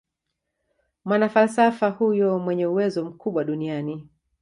mwanafalsafa huyo mwenye uwezo mkubwa duniani